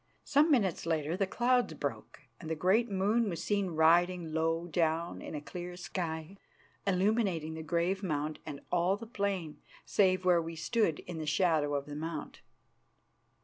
Some minutes later the clouds broke and the great moon was seen riding low down in a clear sky, illumining the grave mound and all the plain, save where we stood in the shadow of the mount.